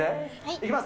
いきます。